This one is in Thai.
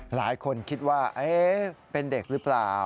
หลายคนคิดว่าเป็นเด็กหรือเปล่า